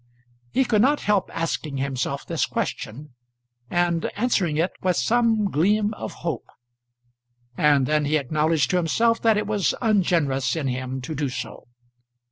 He could not help asking himself this question, and answering it with some gleam of hope. And then he acknowledged to himself that it was ungenerous in him to do so.